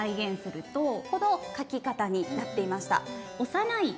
この書き方になっていました。